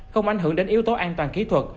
không ảnh hưởng đến yếu tố an toàn kỹ thuật